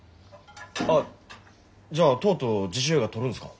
あっじゃあとうとう自主映画撮るんすか？